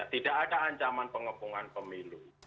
tidak ada ancaman pengepungan pemilu